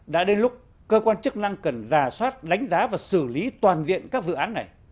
đã đến lúc cơ quan chức năng cần giả soát đánh giá và xử lý toàn diện các dự án này